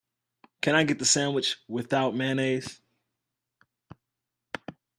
Can I get the sandwich without mayonnaise?